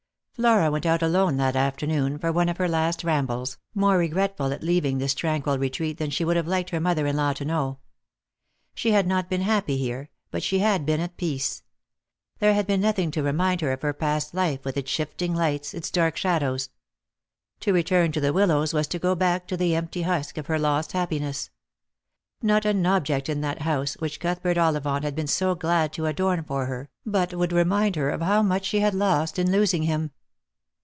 Flora went out alone that afternoon, for one of her last rambles, more regretful at leaving this tranquil retreat than she would have liked her mother in law to know. She had not been happy here ; but she had been at peace. There had been nothing to remind her of her past life, with its shifting lights, its dark shadows. To return to the Willows was to go back to the empty husk of her lost happiness. Not an object in that house, which Cuthbert Ollivant had been so glad to adorn for her, but woulcJ remind her of how much she had lost in losing him.